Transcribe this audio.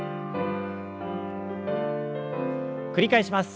繰り返します。